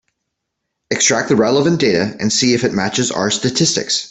Extract the relevant data and see if it matches our statistics.